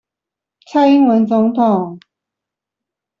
蔡英文總統